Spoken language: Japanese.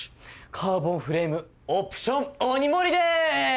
カーボンフレームオプション鬼盛りです！